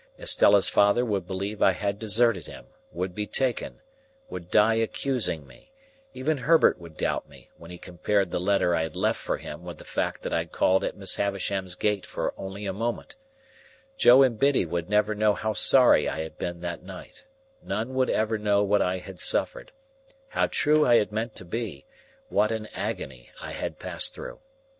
Estella's father would believe I had deserted him, would be taken, would die accusing me; even Herbert would doubt me, when he compared the letter I had left for him with the fact that I had called at Miss Havisham's gate for only a moment; Joe and Biddy would never know how sorry I had been that night, none would ever know what I had suffered, how true I had meant to be, what an agony I had passed through.